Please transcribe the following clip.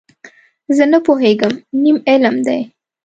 زه نه پوهېږم، نیم علم دی.